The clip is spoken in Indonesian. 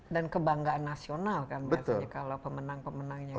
dan kebanggaan nasional kan biasanya kalau pemenang pemenangnya kan